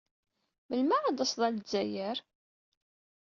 Melmi ara d-taseḍ ɣer Zzayer?